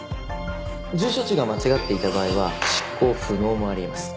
住所地が間違っていた場合は執行不能もあり得ます。